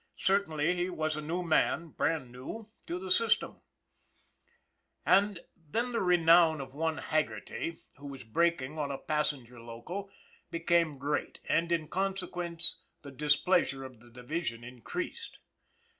Certainly he was a new man, bran new, to the System. 256 "WHERE'S HAGGERTY?" 257 And then the renown of one Haggerty, who was braking on a passenger local, became great, and, in con sequence, the displeasure of the Division increased.